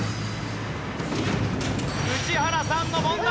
宇治原さんの問題。